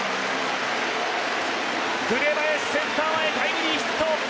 紅林センター前タイムリーヒット！